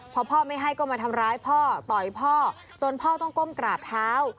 พอพ่อไม่ให้ก็มาทำร้ายพ่อต่อยพ่อจนพ่อต้องก้มกราบเท้า